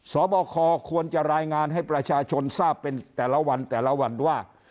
สอบคอควรจะรายงานให้ประชาชนทราบเป็นแต่ละวันแต่ละวันว่า